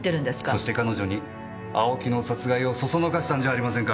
そして彼女に青木の殺害を唆したんじゃありませんか？